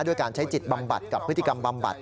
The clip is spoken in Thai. ด้วยการใช้จิตบำบัดกับพฤติกรรมบำบัด